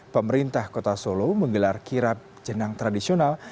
pemerintah kota solo menggelar kirap jenang tradisional